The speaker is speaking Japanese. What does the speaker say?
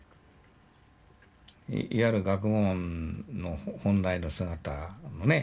いわゆる学問の本来の姿のね